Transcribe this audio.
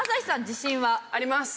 自信は？あります。